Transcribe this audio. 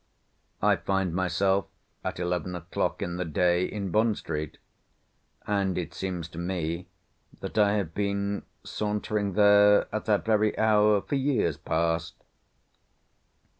I find myself at eleven o'clock in the day in Bond street, and it seems to me that I have been sauntering there at that very hour for years past.